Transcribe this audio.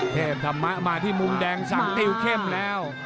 เทมทำงานมาถึงมุมแดงสังติวเข้มแล้ว